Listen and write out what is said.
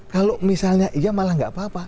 kalau misalnya iya malah nggak apa apa